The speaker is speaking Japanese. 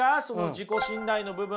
自己信頼の部分。